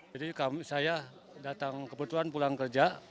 jadi saya datang kebetulan pulang kerja